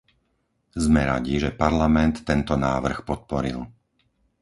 Sme radi, že parlament tento návrh podporil.